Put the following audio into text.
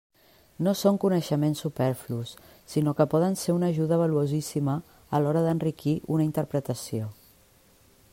No són coneixements superflus, sinó que poden ser una ajuda valuosíssima a l'hora d'enriquir una interpretació.